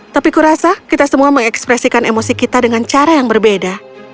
tapi kurasa kita semua mengekspresikan emosi kita dengan cara yang berbeda